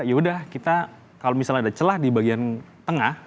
ya udah kita kalau misalnya ada celah di bagian tengah